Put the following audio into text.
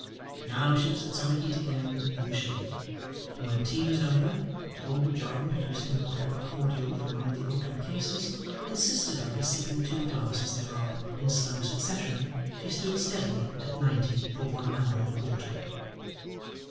Now she was at summer heat again, in the shade; and when tea was over, and old John, producing a bottle of cordial from one of the oaken cases, insisted on her sipping two glasses thereof in slow succession, she stood steadily at ninety for one hour and a quarter.